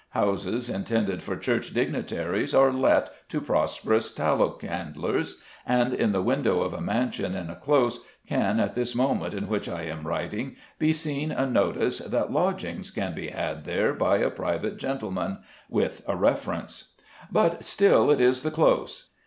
Houses intended for church dignitaries are let to prosperous tallow chandlers, and in the window of a mansion in a close can, at this moment in which I am writing, be seen a notice that lodgings can be had there by a private gentleman with a reference. But still it is the Close.